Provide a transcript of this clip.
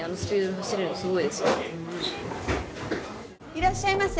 いらっしゃいませ。